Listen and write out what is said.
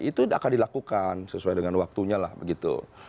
itu akan dilakukan sesuai dengan waktunya lah begitu